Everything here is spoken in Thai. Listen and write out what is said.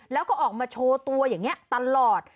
แล้วก็ออกมาโชว์ตัวอย่างนี้ตลอด